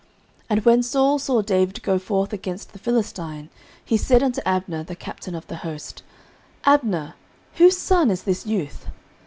09:017:055 And when Saul saw David go forth against the Philistine, he said unto Abner, the captain of the host, Abner, whose son is this youth?